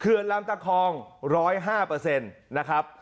เขื่อนลำตะคอง๑๐๕เปอร์เซ็นต์นะครับ